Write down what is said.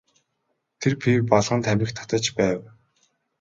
Тэр пиво балган тамхи татаж байв.